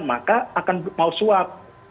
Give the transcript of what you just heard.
maka akan mau suap